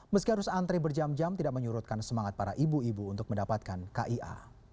meski harus antre berjam jam tidak menyurutkan semangat para ibu ibu untuk mendapatkan kia